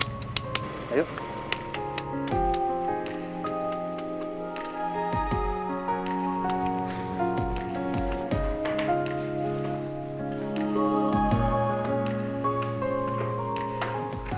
salam oleh tuhan